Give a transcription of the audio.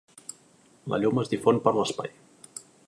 La llum es difon per l'espai.